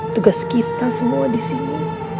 tugas kita semua di sini